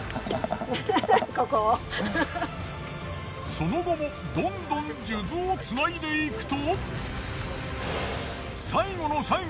その後もどんどん数珠をつないでいくと。